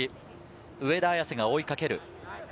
上田綺世が追いかける。